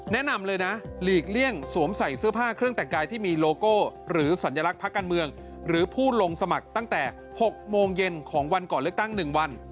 แนะนำเลยนะหลีกเลี่ยงสวมใส่เสื้อผ้าเครื่องแต่งกายที่มีโลโก้หรือสัญลักษณ์พักการเมืองหรือผู้ลงสมัครตั้งแต่๖โมงเย็นของวันก่อนเลือกตั้ง๑วัน